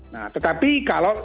nah tetapi kalau